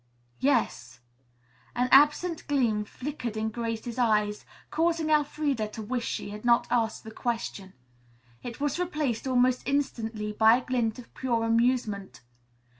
"Yes." An absent gleam flickered in Grace's eyes, causing Elfreda to wish she had not asked the question. It was replaced almost instantly by a glint of pure amusement.